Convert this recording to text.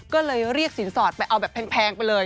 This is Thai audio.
ก็เลยเรียกสินสอดไปเอาแบบแพงไปเลย